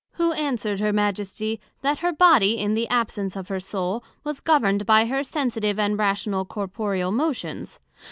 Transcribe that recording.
who answered Her Majesty, That her body, in the absence of her soul, was governed by her sensitive and rational corporeal motions.